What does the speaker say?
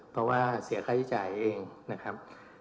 เพราะว่าเสียค่าใช้จ่ายเองนะครับ